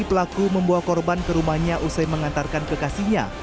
pelaku membawa korban ke rumahnya usai mengantarkan kekasihnya